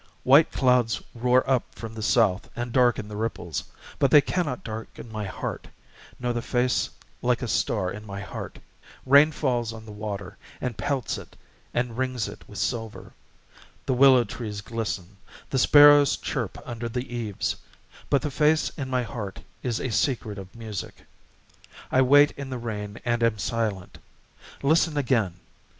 White clouds roar up from the south And darken the ripples; but they cannot darken my heart, Nor the face like a star in my heart!... Rain falls on the water And pelts it, and rings it with silver. The willow trees glisten, The sparrows chirp under the eaves; but the face in my heart Is a secret of music.... I wait in the rain and am silent." Listen again!...